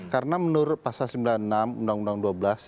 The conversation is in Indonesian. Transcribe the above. karena menurut pasal sembilan puluh enam undang undang dua belas